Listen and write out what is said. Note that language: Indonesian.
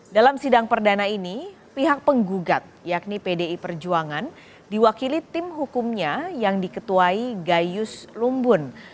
dalam sidang perdana ini pihak penggugat yakni pdi perjuangan diwakili tim hukumnya yang diketuai gayus lumbun